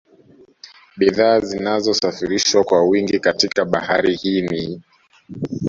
Bidhaa zinazosafirishwa kwa wingi katika Bahari hii ni